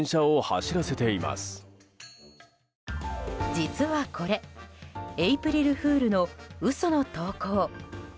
実はこれエープリルフールの嘘の投稿。